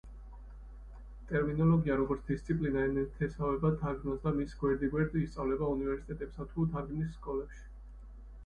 ტერმინოლოგია, როგორც დისციპლინა ენათესავება თარგმნას და მის გვერდიგვერდ ისწავლება უნივერსიტეტებსა თუ თარგმნის სკოლებში.